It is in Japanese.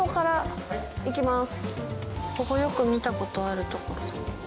ここよく見た事ある所。